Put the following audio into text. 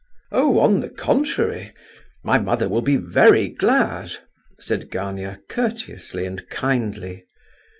"Oh, on the contrary! my mother will be very glad," said Gania, courteously and kindly.